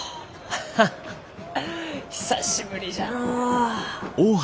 ハハハ久しぶりじゃのう。